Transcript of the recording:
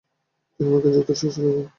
তিনি মার্কিন যুক্তরাষ্ট্রে চলে যান।